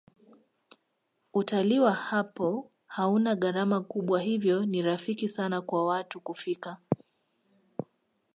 utalii wa hapo hauna gharama kubwa hivyo ni rafiki sana kwa watu kufika